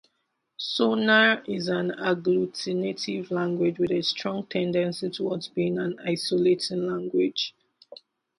Sona is an agglutinative language with a strong tendency towards being an isolating language.